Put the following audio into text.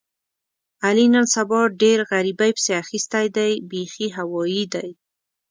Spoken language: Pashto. علي نن سبا ډېر غریبۍ پسې اخیستی دی بیخي هوایي دی.